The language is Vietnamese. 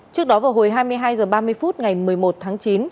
trước đó vào hồi hai mươi hai h ba mươi phút ngày một mươi một tháng chín